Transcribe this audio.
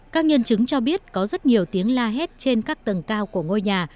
các nhân chứng cho biết có rất nhiều tiếng la hét trên các tầng cao của ngôi nhà